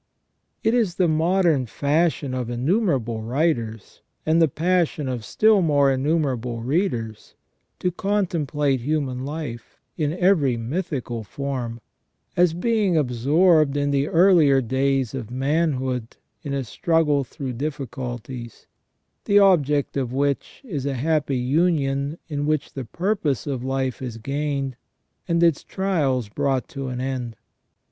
It is the modern fashion of innumerable writers, and the passion of still more innumerable readers, to contemplate human life, in every mythical form, as being absorbed in the earlier days of manhood in a struggle through difficulties, the object of which is a happy union in which the purpose of hfe is gained, and its trials brought to an end.